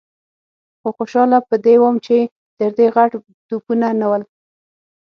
خو خوشاله په دې وم چې تر دې غټ توپونه نه ول.